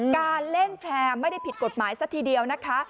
การเล่นแชร์ไม่ได้ผิดกฎหมายซะทีเดียวนะคะ